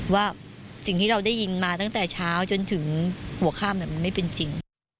ว่าสิ่งที่เราได้ยินมาตั้งแต่เช้าจนถึงหัวข้ามมันไม่เป็นจริง